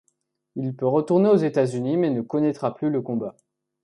Il peut retourner aux États-Unis, mais ne connaîtra plus le combat.